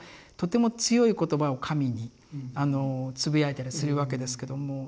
とても強い言葉を神につぶやいたりするわけですけども。